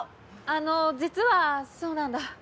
あの実はそうなんだ。